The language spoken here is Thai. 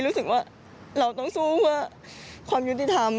รู้สึกว่าเราต้องสู้เพื่อความยุติธรรม